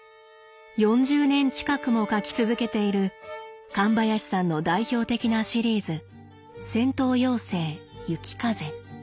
４０年近くも書き続けている神林さんの代表的なシリーズ「戦闘妖精・雪風」。